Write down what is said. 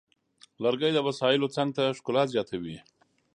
لرګی د وسایلو څنګ ته ښکلا زیاتوي.